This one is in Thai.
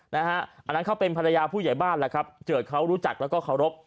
อันนั้นเขาเป็นภรรยาผู้ใหญ่บ้านแหละครับเจิดเขารู้จักแล้วก็เคารพ